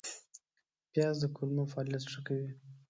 پیاز د کولمو فعالیت ښه کوي